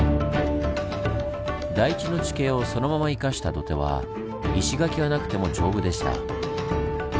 台地の地形をそのまま生かした土手は石垣がなくても丈夫でした。